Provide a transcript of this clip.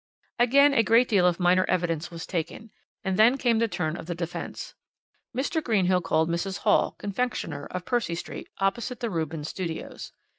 "Again a great deal of minor evidence was taken, and then came the turn of the defence. Mr. Greenhill called Mrs. Hall, confectioner, of Percy Street, opposite the Rubens Studios.